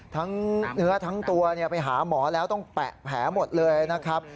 ทั้งเนื้อทั้งตัวไปหาหมอแล้วต้องแปะแผลหมดเลยนะครับ